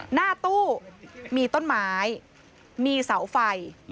หน้าตู้มีต้นไม้มีเสาไฟ